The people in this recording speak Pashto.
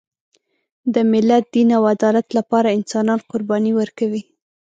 د ملت، دین او عدالت لپاره انسانان قرباني ورکوي.